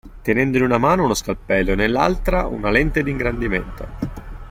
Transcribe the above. Tenendo in una mano uno scalpello e nell'altra una lente d'ingrandimento.